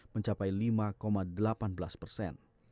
mencapai lima delapan belas persen